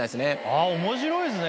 あっ面白いですね。